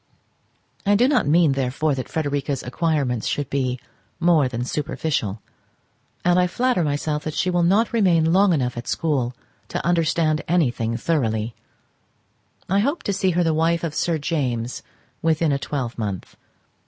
I do not mean, therefore, that Frederica's acquirements should be more than superficial, and I flatter myself that she will not remain long enough at school to understand anything thoroughly. I hope to see her the wife of Sir James within a twelvemonth.